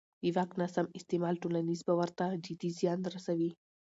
د واک ناسم استعمال ټولنیز باور ته جدي زیان رسوي